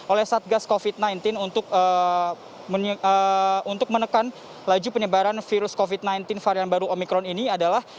oleh satgas covid sembilan belas untuk menekan laju penyebaran virus covid sembilan belas varian baru omikron ini adalah